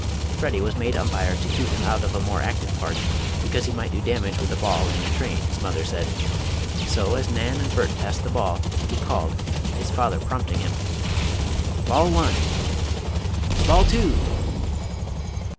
Freddie was made umpire, to keep him out of a more active part, because he might do damage with a ball in a train, his mother said; so, as Nan and Bert passed the ball, he called, his father prompting him: "Ball one!" "Ball two!"